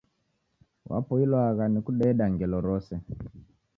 Wapoilwagha ni kudeda ngelo rose